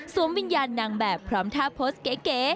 วิญญาณนางแบบพร้อมท่าโพสต์เก๋